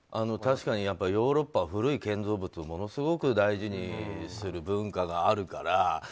確かにヨーロッパは古い建造物をものすごく大事にする文化があるから。